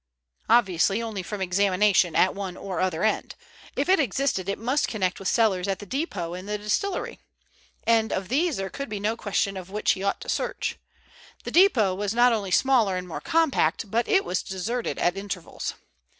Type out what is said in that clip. Obviously only from examination at one or other end. If it existed it must connect with cellars at the depot and the distillery. And of these there could be no question of which he ought to search. The depot was not only smaller and more compact, but it was deserted at intervals.